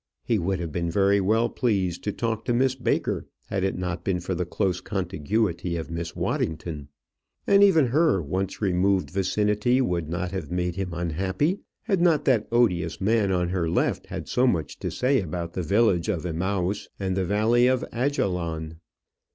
He would have been very well pleased to talk to Miss Baker had it not been for the close contiguity of Miss Waddington; and even her once removed vicinity would not have made him unhappy had not that odious man on her left had so much to say about the village of Emmaus and the Valley of Ajalon.